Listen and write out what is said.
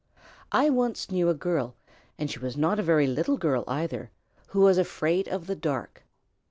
I once knew a girl and she was not a very little girl, either, who was afraid of the dark.